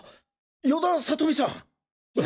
与田理美さん。